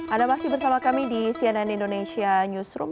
anda masih bersama kami di cnn indonesia newsroom